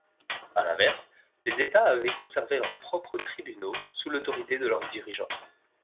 À l'inverse, les États avaient conservé leurs propres tribunaux sous l'autorité de leur dirigeant.